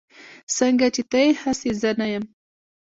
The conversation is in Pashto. سنګه چې ته يي هسې زه نه يم